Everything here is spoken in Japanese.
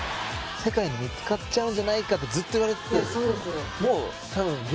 世界に見つかっちゃうんじゃないかってずっと言われてた。